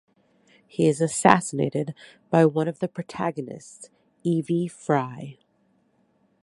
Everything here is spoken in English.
He is assassinated by one of the protagonists, Evie Frye.